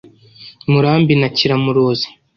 Murambi na Kiramuruzi